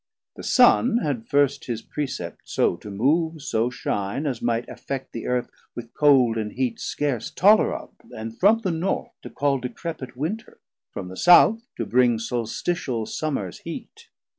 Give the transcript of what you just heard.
The Sun Had first his precept so to move, so shine, As might affect the Earth with cold and heat Scarce tollerable, and from the North to call Decrepit Winter, from the South to bring Solstitial summers heat.